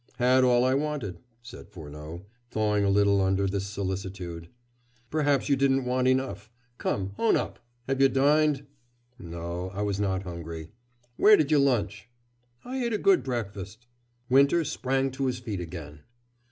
"Had all I wanted," said Furneaux, thawing a little under this solicitude. "Perhaps you didn't want enough. Come, own up. Have you dined?" "No I was not hungry." "Where did you lunch?" "I ate a good breakfast." Winter sprang to his feet again.